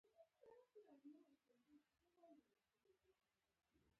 آیا په سفارتونو کې سوداګریزې استازولۍ شته؟